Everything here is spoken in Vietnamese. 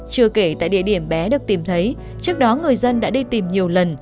chưa kể tại địa điểm bé được tìm thấy trước đó người dân đã đi tìm nhiều lần